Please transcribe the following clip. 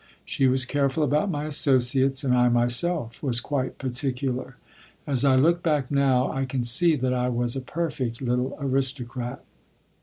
She was careful about my associates, and I myself was quite particular. As I look back now I can see that I was a perfect little aristocrat.